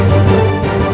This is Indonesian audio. aku akan menang